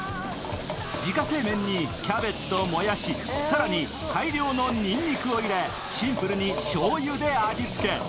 自家製麺にキャベツともやしそして大量のにんにくを入れシンプルにしょうゆで味付け。